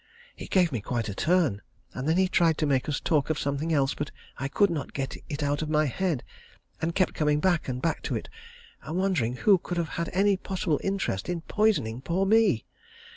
It gave me quite a turn, and then he tried to make us talk of something else, but I could not get it out of my head, and kept coming back and back to it, and wondering who could have had any possible interest in poisoning poor me.